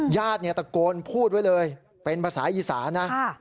ญาติเนี่ยตะโกนพูดไว้เลยเป็นภาษาอีสานนะ